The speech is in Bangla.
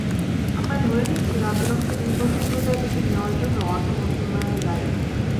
আমরা ধরে নিচ্ছি, আন্দোলনকে দীর্ঘসূত্রতার দিকে নেওয়ার জন্য অর্থ মন্ত্রণালয় দায়ী।